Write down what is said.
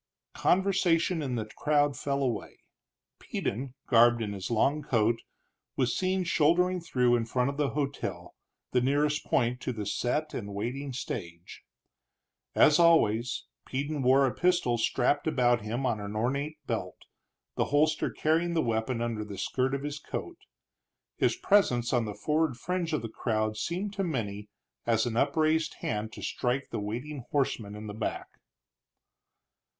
Conversation in the crowd fell away. Peden, garbed in his long coat, was seen shouldering through in front of the hotel, the nearest point to the set and waiting stage. As always, Peden wore a pistol strapped about him on ornate belt, the holster carrying the weapon under the skirt of his coat. His presence on the forward fringe of the crowd seemed to many as an upraised hand to strike the waiting horseman in the back.